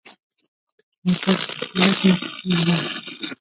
موټر کې خلک موسیقي اوري.